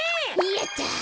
やった。